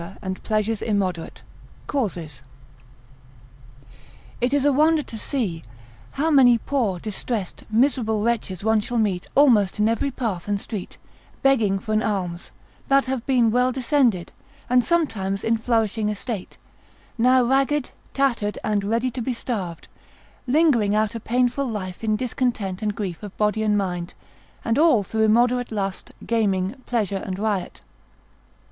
and pleasures immoderate; Causes_. It is a wonder to see, how many poor, distressed, miserable wretches, one shall meet almost in every path and street, begging for an alms, that have been well descended, and sometimes in flourishing estate, now ragged, tattered, and ready to be starved, lingering out a painful life, in discontent and grief of body and mind, and all through immoderate lust, gaming, pleasure and riot.